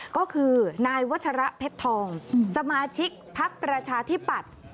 ก็คือนายวัชระเพชรทองสมาชิกพักประชาธิปัตย์